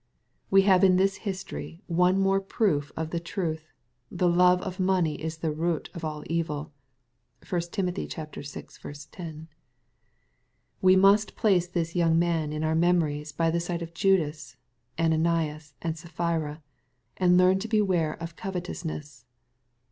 We have in this history one more proof of the truth, " The love of money is the root of all evil" (1 Tim. vi. 10.) We must place this young man in our memories by the side of Judas, Ananias and Sapphira, and learn to beware of covetousness.